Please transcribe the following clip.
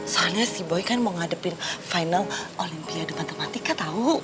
soalnya si boy kan mau ngadepin final olimpiade matematika tahu